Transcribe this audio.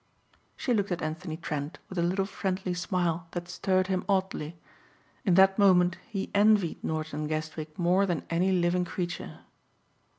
She looked at Anthony Trent with a little friendly smile that stirred him oddly. In that moment he envied Norton Guestwick more than any living creature.